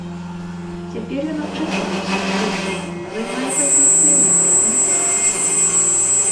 Цяпер ён абчасаўся, але ўсё адно займае пазіцыі на крайне правым флангу.